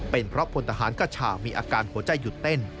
เป็นเพราะพลทหารกระชามีอาการหัวใจหยุดเต้น